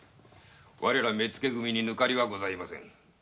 我ら目付組にぬかりはございません。